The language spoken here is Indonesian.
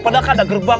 padahal ada gerbang